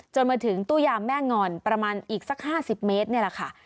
จนมาถึงตู้ยามแม่งอนประมาณอีกสัก๕๐เมตรนี่แหละค่ะ